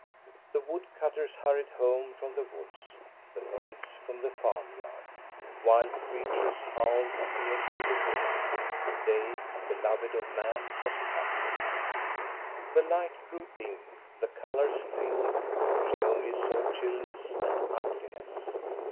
The wood cutters hurried home from the woods, the maids from the farmyard. Wild creatures howled at the edge of the wood. The day, beloved of man, was conquered. The light grew dim, the colors faded. She only saw chillness and ugliness.